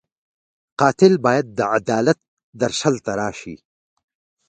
قاتل باید د عدالت درشل ته راشي